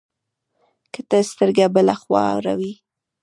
که ته سترګه بله خوا اړوې،